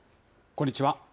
こんにちは。